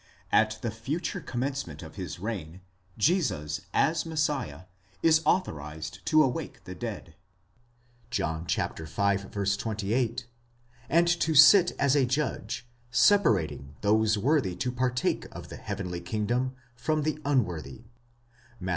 At the future commencement of his reign, Jesus, as Messiah, is authorized to awake the dead (John v. 28), and to sit as a judge, separating those worthy to partake of the heavenly kingdom from the unworthy (Matt.